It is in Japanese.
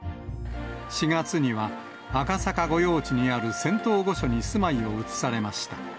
４月には、赤坂御用地にある仙洞御所に住まいを移されました。